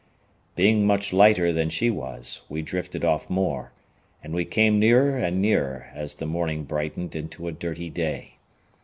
Being much lighter than she was, we drifted off more, and we came nearer and nearer as the morning brightened into a dirty day.